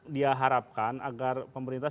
dia harapkan agar pemerintah